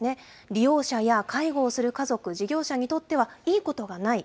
利用者や介護をする家族、事業者にとってはいいことがない。